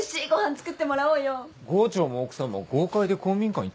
郷長も奥さんも郷会で公民館行ってんだろ？